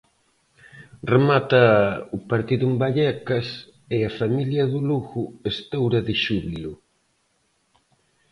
Remata o partido en Vallecas e a familia do Lugo estoura de xúbilo.